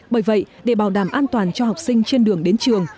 bởi vậy để bảo đảm an toàn cho học sinh trên đường đến trường